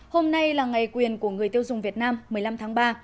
hôm nay là ngày quyền của người tiêu dùng việt nam một mươi năm tháng ba